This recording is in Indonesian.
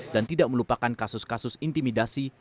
dan tidak melupakan kasus kasus intimidasi